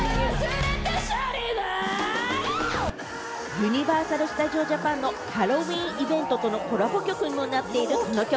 ユニバーサル・スタジオ・ジャパンのハロウィーンイベントとのコラボ曲にもなっているこの曲。